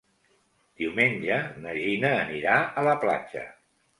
Diumenge na Gina anirà a la platja.